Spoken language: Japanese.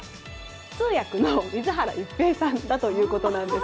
通訳の水原一平さんだということです。